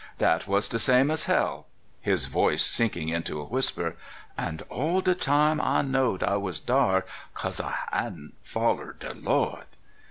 Dat was de same as hell [his voice sinking into a whis per], an' all de time I knowed I was dar 'cause I hadn't follered de Lord.